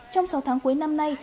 trong sáu tháng cuối năm nay